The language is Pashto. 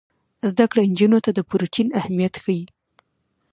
زده کړه نجونو ته د پروټین اهمیت ښيي.